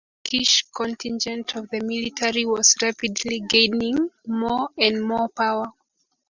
However, the Turkish contingent of the military was rapidly gaining more and more power.